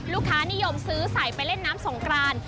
ลูกค้านิยมซื้อใส่ไปเล่นน้ำสงกราน